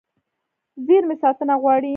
زېرمې ساتنه غواړي.